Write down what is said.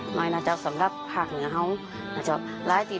หมายนาจารย์สำหรับภาคเหงาไหลที่โดดเด้นอีกไหลหนึ่งก็คือไหลน้ำไหล